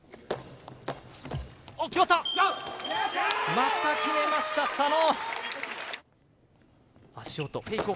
また決めました、佐野。